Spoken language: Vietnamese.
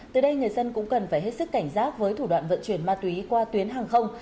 từ đây người dân cũng cần phải hết sức cảnh giác với thủ đoạn vận chuyển ma túy qua tuyến hàng không